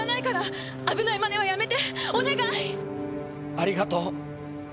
ありがとう。